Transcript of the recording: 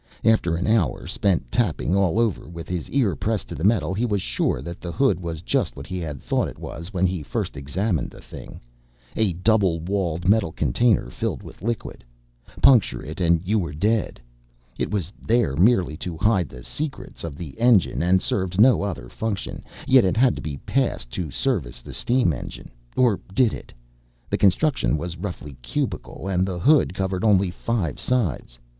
After an hour spent tapping all over with his ear pressed to the metal he was sure that the hood was just what he had thought it was when he first examined the thing a double walled metal container filled with liquid. Puncture it and you were dead. It was there merely to hide the secrets of the engine, and served no other function. Yet it had to be passed to service the steam engine or did it? The construction was roughly cubical, and the hood covered only five sides.